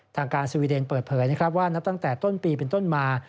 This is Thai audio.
ทางการสวีเดนเปิดเผยนะครับว่านับตั้งแต่ต้นปีเป็นต้นมา